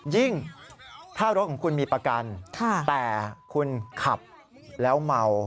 ยิ่งถ้ารถของคุณมีประกันแต่คุณขับแล้วเมา